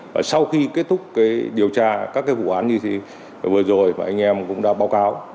và sau khi kết thúc điều tra các vụ án như vừa rồi mà anh em cũng đã báo cáo